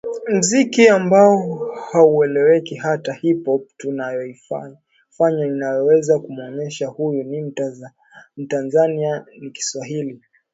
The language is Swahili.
muziki ambao haueleweki hata hip hop tunayoifanya inayoweza kumuonesha huyu ni mtanzania ni Kiswahili